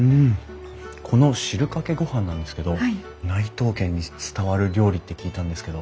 この汁かけ御飯なんですけど内藤家に伝わる料理って聞いたんですけど。